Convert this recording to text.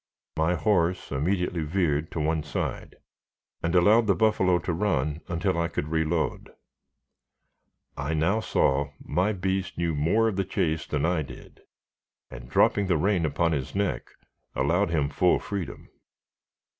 My horse immediately veered to one side, and allowed the buffalo to run until I could reload. I now saw my beast knew more of the chase than I did, and dropping the rein upon his neck, allowed him full freedom.